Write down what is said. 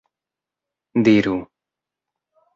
diru